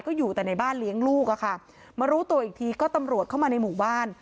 ก็อยู่แต่ในบ้านเลี้ยงลูกอะค่ะมารู้ตัวอีกทีก็ตำรวจเข้ามาในหมู่บ้าน